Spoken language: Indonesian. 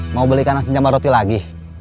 mau beli kanan senyamba roti lagi